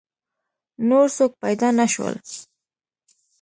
نور څوک پیدا نه شول.